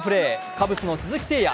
カブスの鈴木誠也。